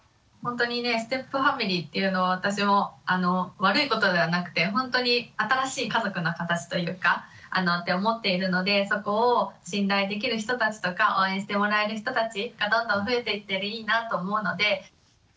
ほんとにねステップファミリーっていうのは私も悪いことではなくてほんとに新しい家族の形というかって思っているのでそこを信頼できる人たちとか応援してもらえる人たちがどんどん増えていったらいいなと思うので。